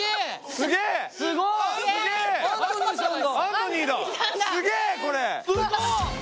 すげこれ。